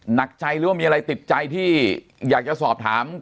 หนักใจหรือว่ามีอะไรติดใจที่อยากจะสอบถาม